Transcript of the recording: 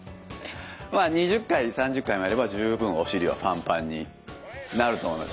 まあ２０回３０回もやれば十分お尻はパンパンになると思います。